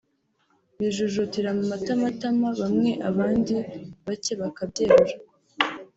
bijujutira mu matamatama bamwe abandi bacye bakabyerura